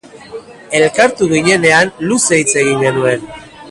Elkartu ginenean luze hitz egin genuen.